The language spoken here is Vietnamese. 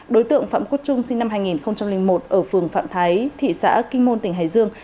đối tượng phạm quốc trung sinh năm hai nghìn một ở phường phạm thái thị xã kinh môn tỉnh hải dương